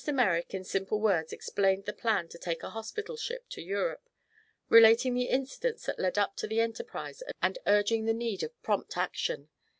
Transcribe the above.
Merrick in simple words explained the plan to take a hospital ship to Europe, relating the incidents that led up to the enterprise and urging the need of prompt action.